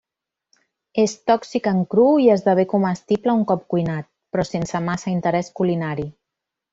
És tòxic en cru i esdevé comestible un cop cuinat, però sense massa interés culinari.